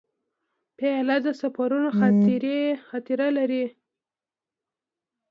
پیاله د سفرونو خاطره لري.